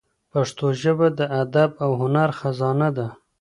پښتو ژبه د ادب او هنر خزانه ده.